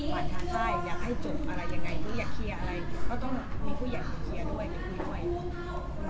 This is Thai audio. ก็ต้องมีผู้ใหญ่ที่เคลียร์ด้วยเป็นผู้ใหญ่ด้วย